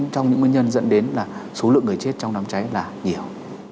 trong những nguyên nhân dẫn đến là số lượng người chết trong đám cháy là nhiều